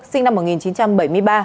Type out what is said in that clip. sinh năm một nghìn chín trăm bảy mươi ba